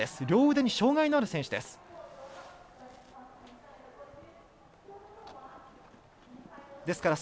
両腕に障がいのある選手です。